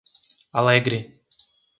Alegre